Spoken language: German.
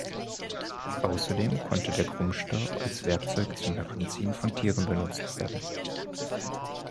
Außerdem konnte der Krummstab als Werkzeug zum Heranziehen von Tieren benutzt werden.